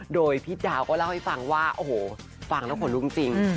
โดยพี่ดาวก็เล่าให้ฟังว่าโอ้โหฟังแล้วขนลุกจริง